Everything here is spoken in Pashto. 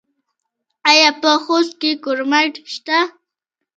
آیا په خوست کې کرومایټ شته؟